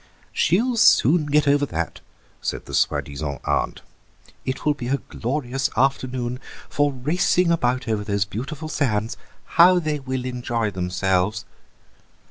"She'll soon get over that," said the soi disant aunt; "it will be a glorious afternoon for racing about over those beautiful sands. How they will enjoy themselves!"